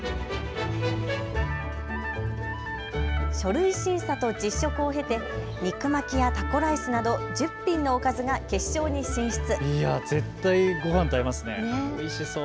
書類審査と実食を経て肉巻きやタコライスなど１０品のおかずが決勝に進出。